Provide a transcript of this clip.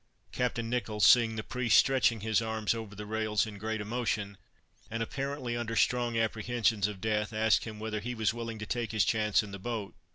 Captain Nicholls seeing the priest stretching his arms over the rails in great emotion, and apparently under strong apprehensions of death, asked him whether he was willing to take his chance in the boat.